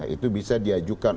itu bisa diajukan